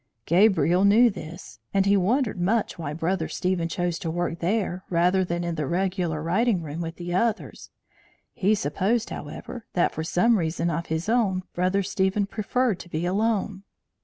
Gabriel knew this, and he wondered much why Brother Stephen chose to work there rather than in the regular writing room with the others. He supposed, however, that, for some reason of his own, Brother Stephen preferred to be alone.